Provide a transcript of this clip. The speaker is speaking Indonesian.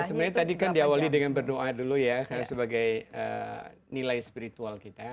sebenarnya tadi kan diawali dengan berdoa dulu ya sebagai nilai spiritual kita